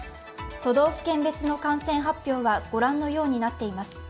都道府県別の感染発表は御覧のようになっています。